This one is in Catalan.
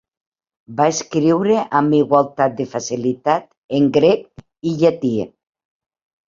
Va escriure amb igualtat de facilitat en grec i llatí.